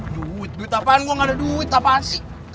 duit duit apaan gua gak ada duit apaan sih